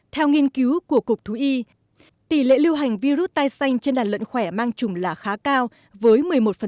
theo nghiên cứu của cục thú y tỷ lệ lưu hành virus tai xanh trên đàn lợn khỏe mang trùng là khá cao với một mươi một